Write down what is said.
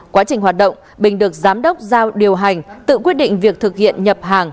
quá trình hoạt động bình được giám đốc giao điều hành tự quyết định việc thực hiện nhập hàng